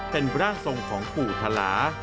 เป็นบราศงของปู่ทะลา